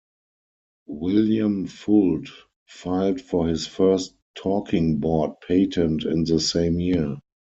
William Fuld filed for his first talking board patent in the same year.